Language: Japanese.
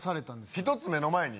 １つ目の前に？